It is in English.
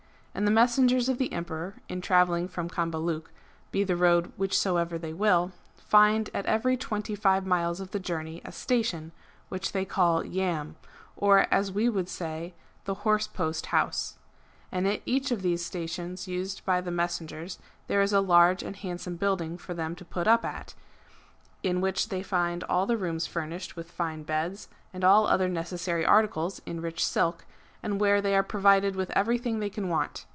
^ And the messengers of the Emperor in travelling from Cambaluc, be the road whichsoever they will, find at every twenty five miles of the journey a station which they call Yamb^ or, as we should say, the " Horse Post House." And at each of those stations used by the messengers, there is a large and handsome building for them to put up at, in VOL. 1, 2 E 434 MARCO POLO Book II. which they find all the rooms furnished with fine beds and all other necessary articles in rich silk, and where they are provided with everything they can want.